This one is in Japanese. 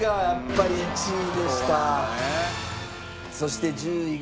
そして１０位が。